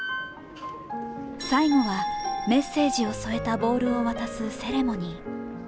最後はメッセージを添えたボールを渡すセレモニー。